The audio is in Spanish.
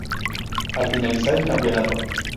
Al finalizar el campeonato